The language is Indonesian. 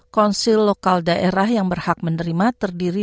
konsil lokal daerah yang berhak menerima terdiri